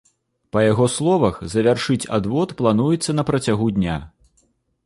Па яго словах, завяршыць адвод плануецца на працягу дня.